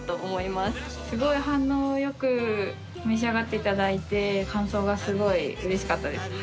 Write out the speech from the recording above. すごい反応よく召し上がっていただいて感想がすごいうれしかったですはい。